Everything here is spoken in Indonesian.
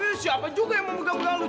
ini siapa juga yang mau pegang pegang lu